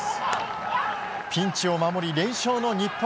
ピンチを守り、連勝の日本。